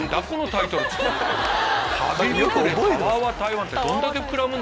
台湾−』ってどんだけ膨らむんだ！